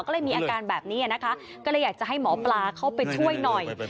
ก็เลยมีอาการแบบนี้นะคะก็เลยอยากจะให้หมอปลาเข้าไปช่วยหน่อย